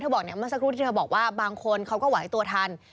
เมื่อแสกรุดเขาบอกว่าบางคนเขาก็ไหวตัวทัน